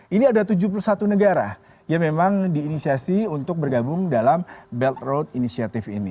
ini ada tujuh puluh satu negara yang memang diinisiasi untuk bergabung dalam belt road initiative ini